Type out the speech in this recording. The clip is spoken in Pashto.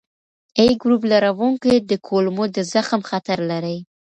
A ګروپ لرونکي د کولمو د زخم خطر لري.